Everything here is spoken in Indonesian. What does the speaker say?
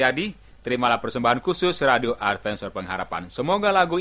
adakah yesus lindung aku